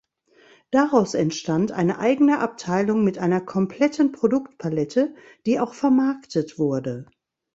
Daraus entstand eine eigene Abteilung mit einer kompletten Produktpalette, die auch vermarktet wurde.